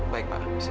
baik pak bisa